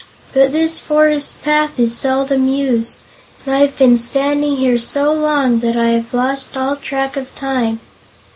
But this forest path is seldom used, and I have been standing here so long that I have lost all track of time.